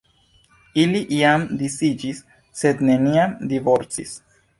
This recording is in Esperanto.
Ili iam disiĝis, sed neniam divorcis.